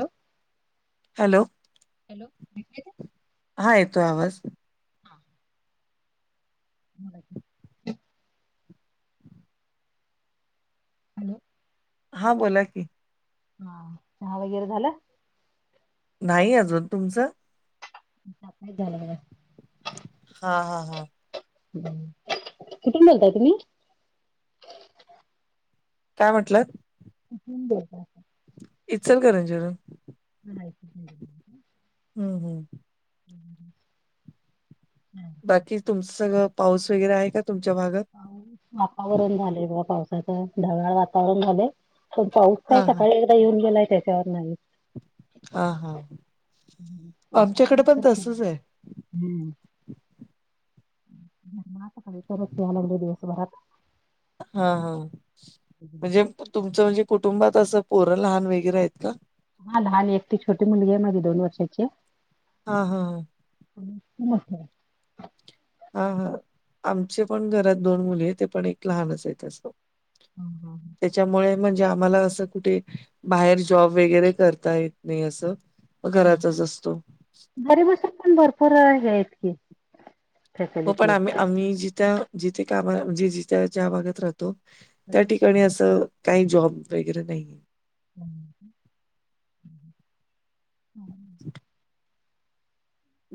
Hello. Hello. Hello ऐकू येतंय. हा येतो आवाज. हा. [inaudible] हॅलो. हा बोला की. हा च वगैरे झालं नाही अजून तुमचं काहीच झालं म हा हा हा कुठून बोलताय तुम्ही काय म्हंटलं ब इचलकरंजी वरून ह ह हम् हम हम् हम् बाकी तुमच सगळं पाऊस वगैरे आहे का तुमच्या भागात वातावरण झाले बा पावसाच ढगाळ वातावरण झाले पण पाऊस का हा हा सकाळी एकदा येऊन गेलाय त्याच्यावर नाही हा हा वातावरण आमच्याकडे पण तर फुल तसच आहे हम्म त काही तरच यायला लागले दिवसभरात हा हा म्हणजे तुमचं म्हणजे कुटुंबात असं पोरं लहान वगैरे आहेत का हा लहान एक ती छोटी मुलगी आहे माझी दोन वर्षाची हा हा ह सम हा हा आमचे पण घरात दोन मुली आहे ते पण एक लहानच आहे तं हम हम त्याच्यामुळे म्हणजे आम्हाला असं कुठे बाहेर जॉब वगैरे करता येत नाही असं हा घरातच असतो घरी बसून पण भरपूर आहे इतकीे हो पण आम्ही आम्ही जिथ्या जिथे काम म्हणजे जिथ्या ज्या भागात राहतो त्या ठिकाणी असं काही जॉब वगैरे नाहीये हम् ह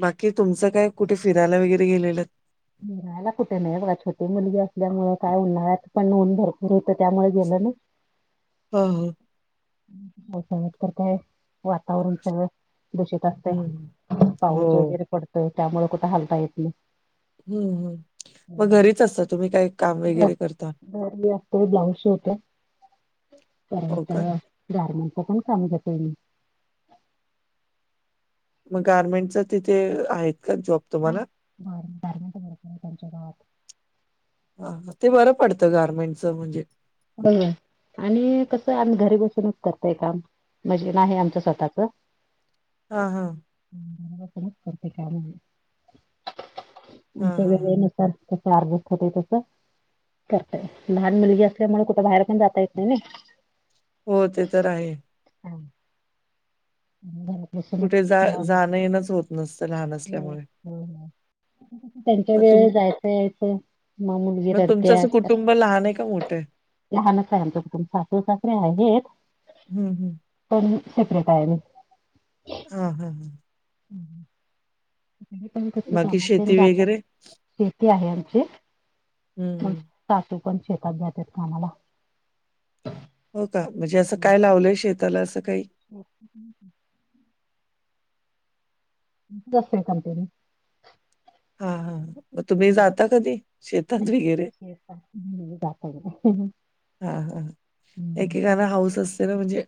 बाकी तुमचं काय कुठे फिरायला वगैरे गेलेलं निघयला कुठे नाही बघा छोटे मुलगी असल्यामुळे काय उन्हाळ्यात पण नऊन भरपूर होतं त्यामुळे गेलं ना हा हा पावसाळ्यात तर काय वातावरण सगळं दूषित हं, असते हं. पाऊस हो. वगैरे पडतोय त्यामुळे कुठ हालता येत नाही हम्म हम् हम घ करता? घर आपतडे ब्लाऊज शेवते हो परत का? गारमेंटच पण काम घेत मी मग गारमेंटच्या तिथे आहेत का जॉब तुम्हाला? हर बर त्यांच्या गावात हा ते बरं पडतं गार्मेंटचं म्हणजे हो आणि कसं आम्ही घरी बसूनच करतय काम म्हणजे नाही आमचं स्वतःच हा हा पणच करते काम आहे हां, आमच्या हां, हां. वेळे न तर तस आर्गट होते तस करतय लहान मुलगी अस त्यामुळे कुठ बाहेर पण जाता येत नाही हो ते तर आहे. हम. ह बरोबर. कुठे जा जाणं येणंच होत नसतं लहान नाही असल्यामुळे. त्यांच्या मग तुम वेळे जायचं यायचं. मा मग तुमचं असं मुलगीररतेतात. कुटुंब लहान आहे का मोठं आहे? लहानच आहे आमच्या कुटुून साखर साखरे आहेत. हम्म हम्. प सेपरेट आहे आहे. ह हम ह. ह. प क बाकी कामा शेती जातात वगैरे? शेती आहे आमची. हं. तातू पण शेतात जातेत कामाला हो का म्हणजे असं काय लावलंय शेताला असं काही हो. त दस कतेने. हा हा. मग तुम्ही जाता कधी शेतात वगैरे. नाही जाता येत हा हा एकेकाना हाऊस असते ना म्हणजे.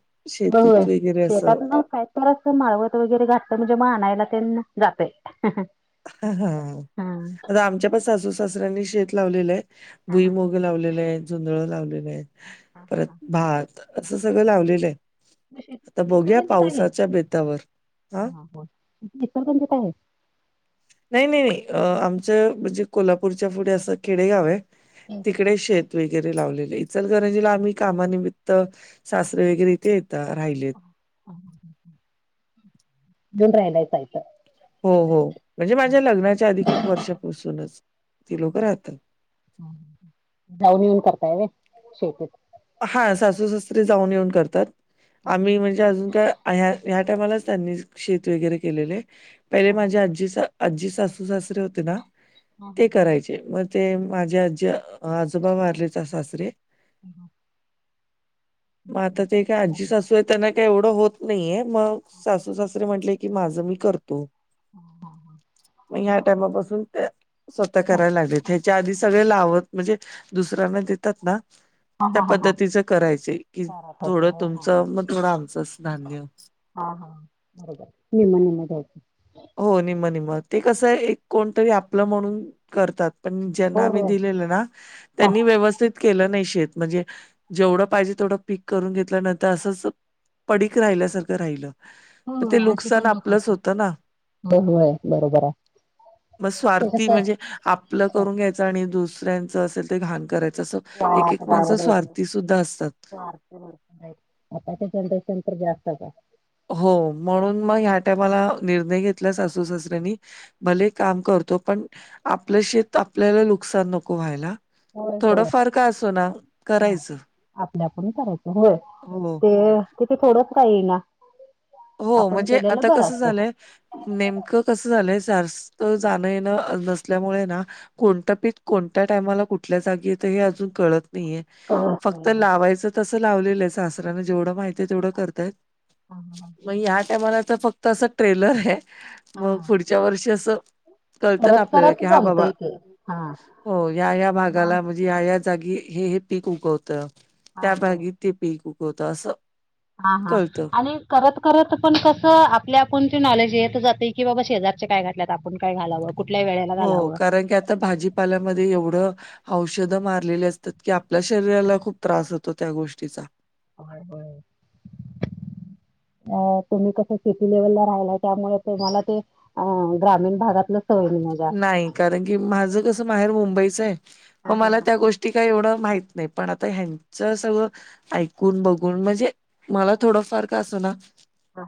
बहु आहे शेतीत वगैरे असं शेतात ना काय. पर माळवत वगैरे घातत म्हणजे मानायला त्यांना जातय. हा हा. आता आमच्या पण सासू सासऱ्यांनी शेत लावलेलं आहे हा हा भुईमग. लावलेलं आहे झुंधळ लावलेलं आहे हा हा परत हा भात असं सगळ लावलेलं आहे. शेती तर बघया इचलकरंजीत आहे. पावसाच्या बेतावर हा. ण पणज का आहे. नाही नाही नाही आमच म्हणजे कोल्हापूरच्या पुढे असं खेडेगाव आहे. तिकडे शेत वगैरे लावलेले. चल गरंजीला आम्ही कामानिमित्त शस््रे वगैरे इथे येतात राहिलेत. घेऊन राहिला जायचं. हो हो म्हणजे माझ्या लग्नाच्या आधी खूप वर्षापासूनच ती लोक राहतात. जाऊन येऊन करताय र शेतीत. हा सासू सासरी जाऊन येऊन करतात हा आम्ही म्हणजे अजून काय ह्या. या टायमालाच त्यांनी शेत वगैरे केलेले आहे पहिले माझ्या आजीच. आजजी सासू सासरीे होते ना ते करायचे म. ते माझ्या आजी आजोबा मारलेच सासरे. ह. ग आता ते का आजी सासू आहे त्यांना काही एवढं होत नाहीये मग सासू सासू. म्हटय की माझं मी करतो. ह हा ह. मग ह्या टामापासून ते स्वतः करायला लागले हच्या आधी सगळे लावत. म्हणजे दुसऱ्यांना देतात ना. त्या हा हा हा करत होता व्हय हा हा. पद्धतीचं करायचे कि चारा होत थोडं नाही व्हय. तुमचं मग थोडं आमचंच धान्य. हा हा बरोबर निम निम दत. हो निम्म निम्म ते कसं एक कोणतरी आपलं म्हणून करतात. पण ज्यांना होय आम्ही होय. दिलेल ना त्यांनी व्यवस्थित. केलं नाही शेत म्हणजे जेवढं पाहिजे तेवढं पीक करून घेतल्या नंतर असंच. पडीक राहिल्यासारखं राहिलं होय म ते नुकसान आपलंच होतं ना. हो होय बरोबर आहे. मग ते स्वार्थी कसं म्हणजे आपलं करून घ्यायचं आणि दुसऱ्यांचं असेल ते घाण करायचं असं. एक एक वाया माणस जाऊ देत स्वार्थी सुद्धा असतात स्वार्थ आताच्या जनरेशन तर जास्त का, हो म्हणून मग ह्या टामाला निर्णय घेतला सासू सासऱ्यांनी भले काम करतो पण आपलं शेत आपल्याला नुकसान नको व्हायला. होय थोडं होय. फार का असे ना हा करायचं. आपल्या आपण करायचं होय. हो ना. ते तिथे थोडंच काही ये ना. हो म्हणजे आता कसं असतंय. झालंय नेमकं कसं झालंय जास्त जाणं येणं नसल्यामुळे ना कोणत पीक कोणत्या टायमाला कुठल्या जागी येतं हे अजून कळत नाहीये. करत नाही. फक्त लावायच तस लावलेलं आहे सासराना जेवढं माहिितये तेवढं करताय हा हा मग ह्या टायमाला तर फक्त असं ट्रेलर आहे. मग हा. पुढच्या वर्षी असं कळतं ना करत आपल्याला करत की हा बाबा जमतय ते हा. हो या या मग भागाला म्हणजे या या जागी हे पीक उगवत हा त्या होय. भागी ते पीक उगवतं असं. हा हा कळतं. आणि करत करत पण कसं आपल्या आपणची नॉलेज येत जाते की बाबा शेजारचे काय घातल्यात आपण काय घालावं कुठल्या वेला हो कारण की आता भाजीपाल्यामध्ये एवढं औषधं मारलेली असतात की आपल्या शरीराला खूप त्रास होतो त्या गोष्टीचा. [inaudible] [unintelligible] अ तुम्ही कसं सिटी लेव्हलला राहिला त्यामुळे तुम्हाला ते अ ग्रामीण भागातलं सवय म माझ्या. नाही कारण की माझ कस माहेर मुंबईच आहे म हा हा मला हा त्या गो ती काय एवढं माहित नाही पण आता ह्यांच सगळं ऐकून बघून म्हणजे मला थोडंफार का असं ना हा.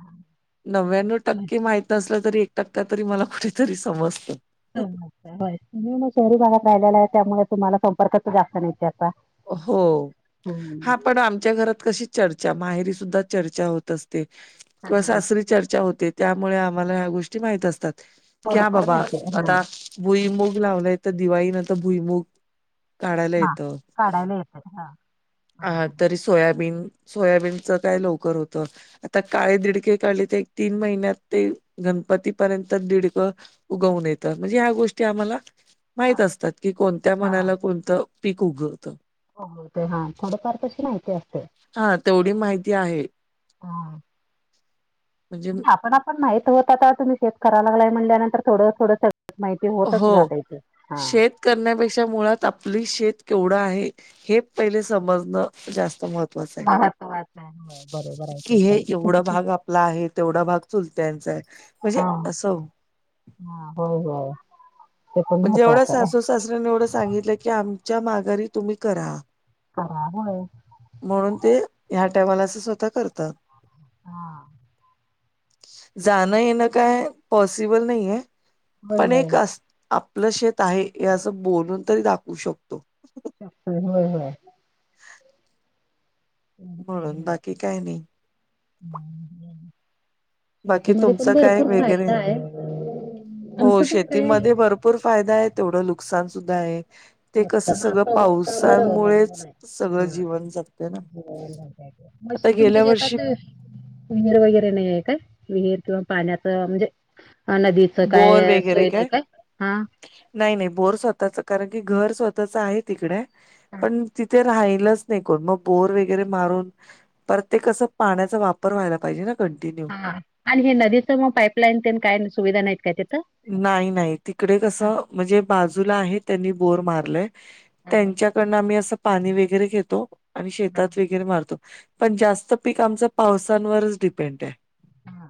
नव्याण्णव टक्के माहित नसलं तरी एक टक्का तरी मला कुठेतरी समजत. तुम्ही मग शहरी भागात राहिलेला आहे त्यामुळे तुम्हाला संपर्कच जास्त नाही त्याचा हो हा पण आमच्या घरात कशी चर्चा माहेरी सुद्धा चर्चा होत असते. हा किंवा हा हा सासरी चर्चा होते त्यामुळे आम्हाला ह्या गोष्टी माहित असतात. की हा थोडंफार बाबा माहिती आहे हा आता भुईमुग लावला तर दिवाळीनंतर भुईमुग काढायला हा येतं. काढायला येत ह अ बरोबर आहे. तरी सोयाबीन सोयाबीनचं काय लवकर होतं. आता काळे दिडके काढले ते एक तीन महिन्यात ते गणपतीपर्यंत दिडकं उगवून येतत म्हणजे ह्या गोष्टी आम्हाला माहित असतात की कोणत्या हा मनाला कोणतं पीक उगवतं. हो ते हां थोडंफार तशी माहिती असते. हा तेवढी माहिती आहे. हा. म्हणजे आपण आपण माहित होत आता तुम्ही शेत कराय लागय म्हणल्यानंतर थोडं थोडं सगळं माहिती होतच हो जाते ते हा शेत करण्यापेक्षा मुळात आपली शेत केवढं आहे हे पहिले समजण जास्त महत्व महत्वाचं आहे. होय बरोबर आहे ते कि हे पण एवढा भाग आपला आहे तेवढा भाग चुलत्यांचा आहे. म्हणजे हा असं हा होय होय. ते पण म्हणजे एवढ्या महत्वाचं आहे सासू सासऱ्यानी एवढं सांगितलं की आमच्या माघारी तुम्ही करा. बराबर होय. म्हणून ते ह्या टायमावलाच स्वतः करतात. हा. जाणं येण काय पॉसिबल नाहीये होय पण होय एक अस. आपलं शेत आहे हे असं बोलून तरी दाखवू शकतो. ह ह ह तेवढं म्हणून बाकी काय नाही. हम् बाकी शेतीमध्ये पण तुमचं काय भरपूर वगैरे फायदा आहे आमच हो पण काय शेतीमध्ये भरपूर फायदा आहे तेवढं नुकसान सुद्धा आहे ते आता कसं हा सगळं पावसावर अवलंबून पावसांमुळेच आहे. सगळं जीवन जगतें ना म आता तुमच्या गेल्या वर्षी शेतात विहीर वगैरे नाही आहे का विहीर किंवा पाण्याच म्हणजे, अ नदीच बोर काय वगैरे सोय नाही काय हा नाही नाही बोर स्वतःच कारण की घर स्वतःच आहे तिकड हा पण तिथे राहिलच नाही कोण मग बोर वगैरे मारून. प्रत्येक असं पाण्याचा वापर व्हायला पाहिजे ना कंटिन्यू, ह आणि हे नदीचं मग पाईपलाईन ते काय सुविधा नाहीत काय त्याथं नाही नाही तिकडे कस म्हणजे बाजूला आहे त्यांनी बोर मारलय हा हा त्यांच्या आम्ही असं पाणी वगैरे घेतो आणि हा. शेतात वगैरे मारतो. पण जास्त पीक आमच पावसावरच डिपेंड आहे. हा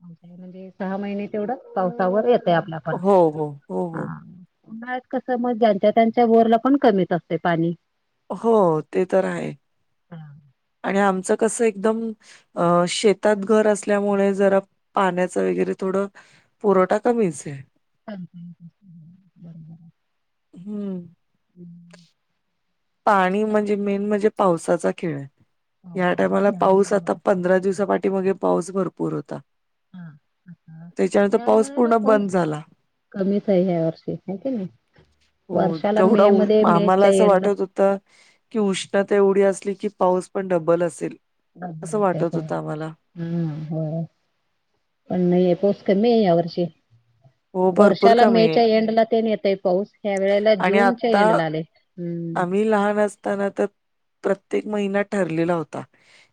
म्हणजे सहा महिने तेवढं पावसावर येतय आपल्या ण हो, हो, हो, हा हो. [inaudible] त कस मग ज्यांच्या त्यांच्या वोरला पण कमीच असते पाणी हो ते तर आहे. हा, आणि आमचं कसं एकदम‌, अं शेतात घर असल्यामुळे जरा पाण्याच वगैरे थोडं पोरं टका मिळसे. चा बरोबर. हम्म. हम्म पाणी म्हणजे मेन म्हणजे पावसाचा खेळ आहे. या पावसातच टायमाला पाऊस आता त्यामुळं पंधरा दिवसा पाट मगे पाऊस भरपूर होता. त्याच्यानंतर या पाऊस वेळेला पूर्ण पा बंद झाला. कमीच आहे ह्या वर्षी माती ना, हो तेवढा आम्हाला असं एंडला वाटत. की उष्णता एवढी असली की पाऊस पण डबल असेल. डब्बल असं असते वाटत होय. होतं आम्हाला, हा हो पण नाही पोस कमी आहे या वर्षी, हो भरपूर वर्षाला कमी आहे मेच्या एंडला ते न येतय पाऊस ह्या वेळेला जूनच्या एंडला आले. मी लहान असताना तर प्रत्येक महिना ठरलेला होता.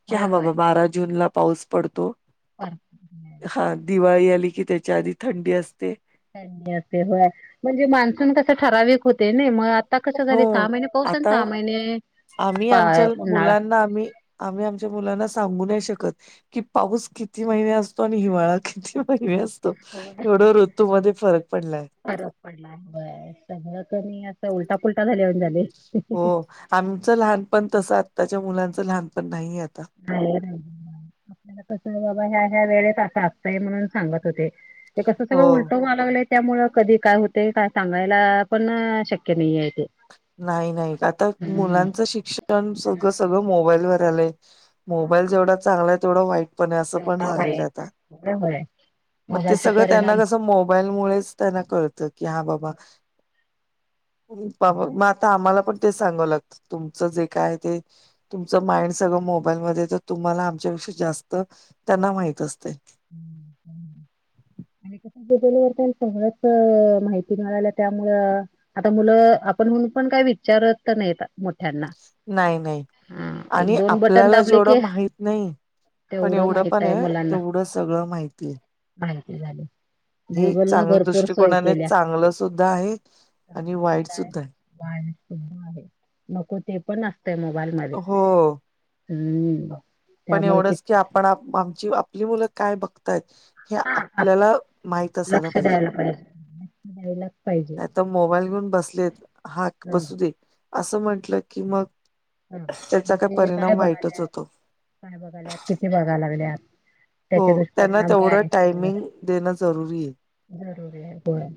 की होय हा बाबा होय. बारा जून ला पाऊस पडतो. अच्छा हा दिवाळी आली की त्याच्या आधी थंडी असते. असे होय म्हणजे मान्सून कस ठराविक होते ना मग आता कसं हो झाले सहा महिने पाऊस आणि आता सहा महिने पा उन्हाळा नाम्ही. आम्ही आमच्या मुलांना सांगू नाही शकत कि पाऊस किती महिने असतो. ो आणि हिवाळा किती महिमी असतो एवढा ऋतूमध्येध्ये फरक पडलाय. फरोक पडला ब सगळं कमी असं उलटा पुलटा झाले होण झाले हो आमचं लहानपण तस आत्ताच्या मुलांचं लहानपण नाही आता आपल्याला कस बाबा ह्या ह्या वेळेत असा असतंय म्हणून सांगत होते. ते कसं हो सगं उलटो. त्यामुळ कधी काय होते काय सांगायला पण शक्य नाही आहे ते. नाही नाही आता हम्म मुलांचं शिक्षण सगळं सगळं मोबाईलवर आलंय. मोबाईल जेवढा चांला आहे. तेवढ वाईट पण असं पण हे होय. आता ते मोबाईलचे सगळ त्यांना परिणाम कस मोबाईलमुळेच. त्यांना कळत की हा बाबा. बाबा मगं आता. मला पण ते सांगव लागत तुमचं जे काय ते. तुमचं माइंड सगळं मोबाईलमध्ये तर तुम्हाला आमच्याविषयी जास्त त्यांना माहित असते. [inaudible] आणि कस बदलवर त्या सांगळच माहिती मिळाला त्यामुळं आता मुलं आपण होऊन पण काय विचारत नाही मोठ्यांना नाही नाही हा एक आणि दोन बटन आपल्याला दाबले जेवढं की माहित नाही, पण तेवढं एवढं माहित पण आहे मुलांना तेवढं सगळं माहिती आहे. माहिती झाले. हे चांगल्या दृष्टकोनाने चांगलं सुद्धा आहे आणि वाईट सुद्धा आहे. वाईट सुद्धा आहे. नको ते पण असतय मोबाईल मध्ये. हो हम. पण एवढंच की आपण आमची आपली मुलं काय बघताय. हे हा आपण आपल्याला माहित असायला लक्ष पाहिजे. द्यायला द्यायलाच पाहिजे. नाहीता मोबाईल घेऊन बसलेत हाक हं बसू दे. असं म्हटलं की मग हं त्याचा मग काय ते परिणाम वाईटच बघाल्यात होतो. काय बघायल्यात किती बघा लागल्यात. हो त्याचे त्यांना दुष्परिणाम काय तेवढं आहेत टायमिंग देणं जरुरी आहे. जरुरी आहे पण.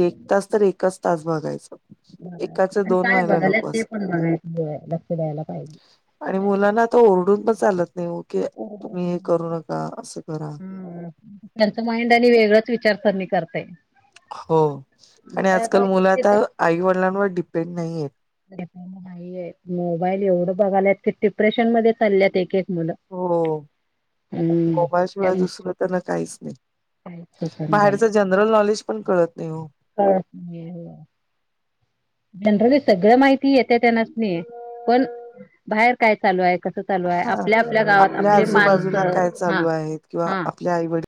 एक तास तर एकच तास बघायचं. ब एकाचे आणि दोन काय व्हायला बघ नको आल्यात ते असं पण बघय लक्ष द्यायला पाहिजे. आणि मुलांना आता ओरडून पण चालत नाही, हो की बरोबर. तुम्ही हे करू नका, असं करा. हम्म त्यांचं माइंड आणि वेगळंच विचारसरणी करतय. हो, आणि त्यात आजकाल मुलं किती आता तर आईवडिलांवर डिपेंड नाही आहेत. अरे नाहीे मोबाईल एवढं बघालात की डिप्रेशन मध्ये चालल्यात एक एक मुलं. हो हम्म मोबाईल शिवाय त्यामुळे दुसर त्यांना काहीच नाही. काहीच सुचना झालय बाहेरच जनरल नॉलेज पण कळत नाही हो. ह. जनरली सगळ माहिती येते त्यांनास नी पण बाहेर काय चालू आहे. कसं चालू आहे. हा आपल्या आपल्या गावात आपली आजूबाजूला माणसं काय हा चालू आहेत हा. [unintelligible]